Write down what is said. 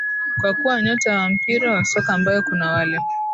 Kwa kuwa nyota wa mpira wa soka ambaye kuna wale